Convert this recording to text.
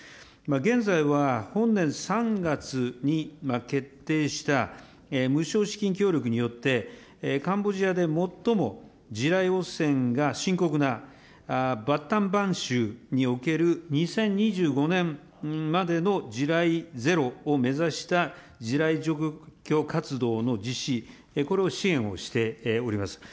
現在は本年３月に決定した無償資金協力によって、カンボジアで最も地雷汚染が深刻なバッタンバン州における２０２５年までの地雷ゼロを目指した地雷除去活動の実施、これを支援をしております。